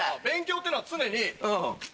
勉強っていうのは常に。